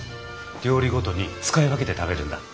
料理ごとに使い分けて食べるんだ。